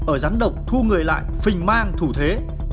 ở rán độc thu người lại phình mang thủ thế